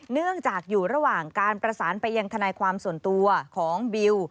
เนื่องจากอยู่ระหว่างการประสานไปยังทนายความส่วนตัวของบิว